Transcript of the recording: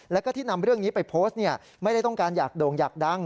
แล้วก็ที่นำเรื่องนี้ไปโพสต์ไม่ได้ต้องการอยากโด่งอยากดัง